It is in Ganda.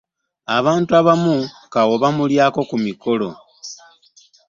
Abantu abamu kawo bamulyako ku mikolo.